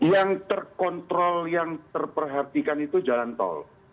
yang terkontrol yang terperhatikan itu jalan tol